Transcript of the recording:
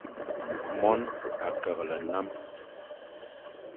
Mone a keghle nnam.